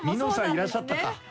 いらっしゃったか」